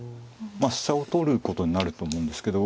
まあ飛車を取ることになると思うんですけど。